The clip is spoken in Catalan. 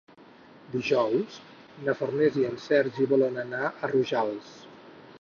Dijous na Farners i en Sergi volen anar a Rojals.